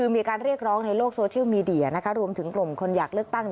มีการเรียกร้องในโลกโซเชียลมีเดียรวมถึงกลุ่มคนอยากเลือกตั้ง